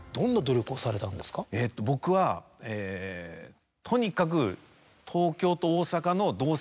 僕はとにかく。